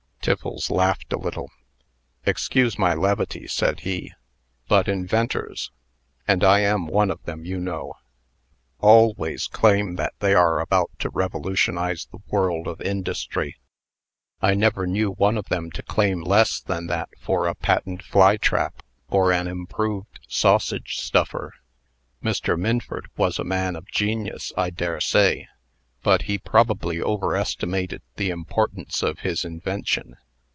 Tiffles laughed a little. "Excuse my levity," said he, "but inventors and I am one of them, you know always claim that they are about to revolutionize the world of industry. I never knew one of them to claim less than that for a patent flytrap or an improved sausage stuffer. Mr. Minford was a man of genius, I dare say, but he probably overestimated the importance of his invention.